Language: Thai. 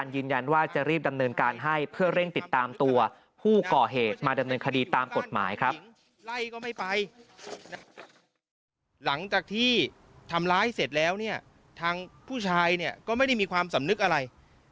หลังจากที่ทำลายเสร็จแล้วทางผู้ชายก็ไม่ได้มีความสำนึกอะไร